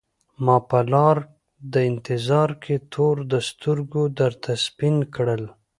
ما په لار د انتظار کي تور د سترګو درته سپین کړل